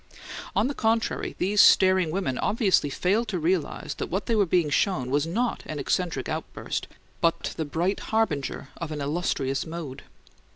On the contrary, these staring women obviously failed to realize that what they were being shown was not an eccentric outburst, but the bright harbinger of an illustrious mode.